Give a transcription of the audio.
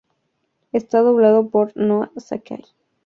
Está doblado por Noa Sakai.